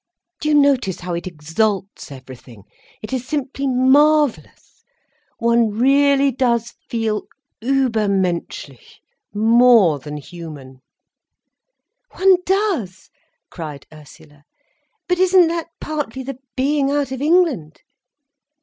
Do you notice how it exalts everything? It is simply marvellous. One really does feel übermenschlich—more than human." "One does," cried Ursula. "But isn't that partly the being out of England?"